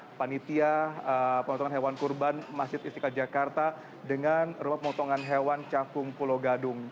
ini adalah panitia pemotongan hewan kurban masjid istiqlal jakarta dengan rumah pemotongan hewan cakung pulau gadung